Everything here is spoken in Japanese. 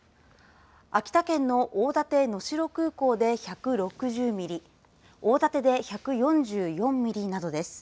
秋田県の大館能代空港で１６０ミリ大館で１４４ミリなどです。